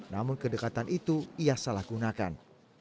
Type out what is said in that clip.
namun kedekatan itu ia salah gunakan